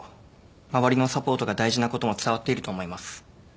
周りのサポートが大事なことも伝わっていると思います。